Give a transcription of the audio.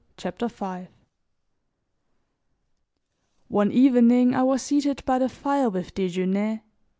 CHAPTER V ONE evening I was seated by the fire with Desgenais.